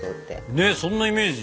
ねっそんなイメージ。